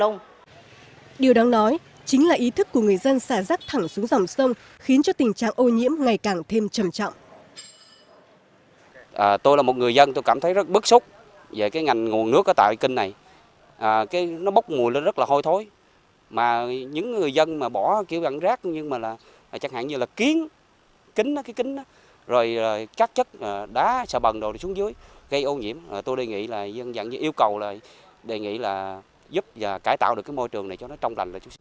nói chính là ý thức của người dân xả rác thẳng xuống dòng sông khiến tình trạng ô nhiễm ngày càng thêm trầm trọng